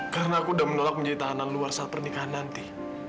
karena aku sudah menolak menjadi tahanan luar saat pernikahan nanti